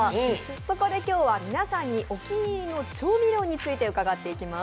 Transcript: そこで今日は皆さんにお気に入りの調味料について伺っていきます。